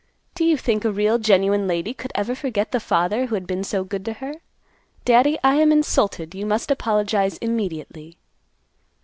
Do you think a real genuine lady could ever forget the father who had been so good to her? Daddy, I am insulted. You must apologize immediately."